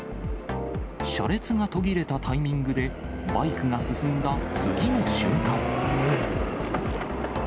車列が途切れたタイミングで、バイクが進んだ次の瞬間。